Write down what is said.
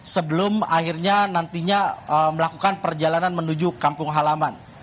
sebelum akhirnya nantinya melakukan perjalanan menuju kampung halaman